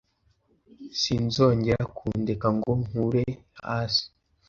sinzongera kundeka ngo nkure hasi